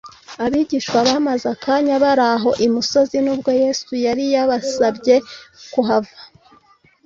abigishwa bamaze akanya bari aho imusozi, nubwo yesu yari yabasabye kuhava